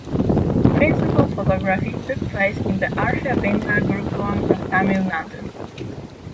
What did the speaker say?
Principal photography took place in the Arsha Vidya Gurukulam of Tamil Nadu.